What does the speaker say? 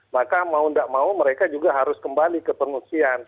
maka mau tidak mau mereka juga harus kembali ke pengungsian